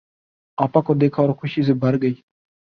آپا کو دیکھا اور خوشی سے بھر گئی۔